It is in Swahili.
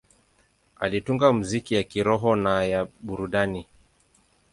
Alitunga muziki ya kiroho na ya burudani.